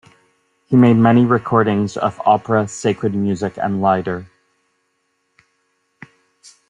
He made many recordings of opera, sacred music, and lieder.